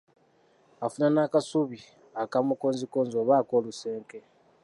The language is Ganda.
Afuna n'akasubi aka mukonzikonzi oba ak'olusenke.